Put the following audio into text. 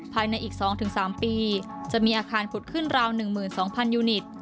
ภายในอีก๒๓ปีจะมีอาคารขุดขึ้นราว๑๒๐๐ยูนิต